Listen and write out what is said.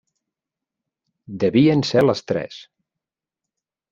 Devien ser les tres.